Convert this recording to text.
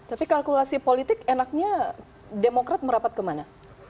tapi kalkulasi politik enaknya demokrat merapat kemana